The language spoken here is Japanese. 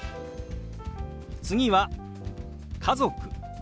次は「家族」。